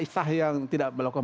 sah yang tidak melakukan